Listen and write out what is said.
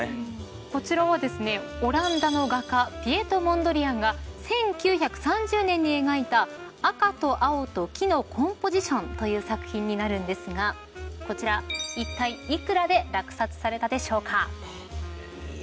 こちらはオランダの画家ピエト・モンドリアンが１９３０年に描いた『赤、青、黄のコンポジション』という作品になるんですがこちらいったい幾らで落札されたでしょうか？